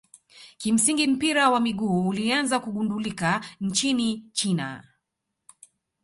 kimsingi mpira wa miguu ulianza kugundulika nchini china